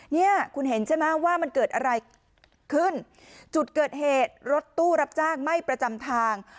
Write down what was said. เนี่ยคุณเห็นใช่ไหมว่ามันเกิดอะไรขึ้นจุดเกิดเหตุรถตู้รับจ้างไม่ประจำทาง